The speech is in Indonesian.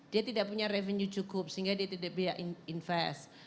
dia tidak punya revenue cukup sehingga dia tidak biaya invest